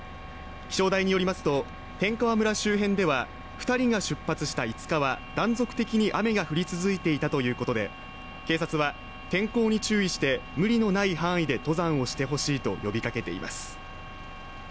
気象台によりますと、天川村周辺では２人が出発した５日は断続的に雨が降り続いていたということで警察は、天候に注意して、無理のない範囲で登山をしてほしいと呼びかけています。